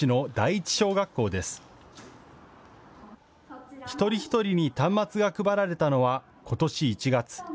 一人一人に端末が配られたのはことし１月。